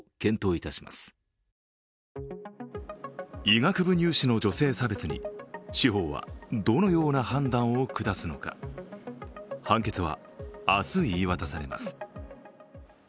医学部入試の女性差別に司法はどのような判断を下すのか判決は明日言い渡されます。